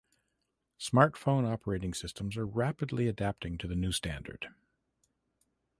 Smartphone operating systems are rapidly adapting to the new standard.